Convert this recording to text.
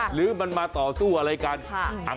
หรือมันมาต่อสู้อะไรกัน